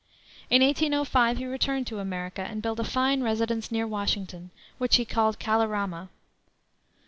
In 1805 he returned to America, and built a fine residence near Washington, which he called Kalorama.